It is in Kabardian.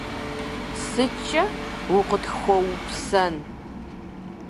Сыткӏэ укъытхуэупсэн?